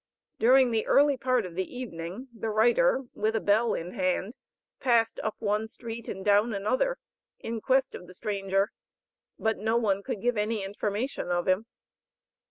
During the early part of the evening, the writer, with a bell in hand, passed up one street and down another, in quest of the stranger, but no one could give any information of him.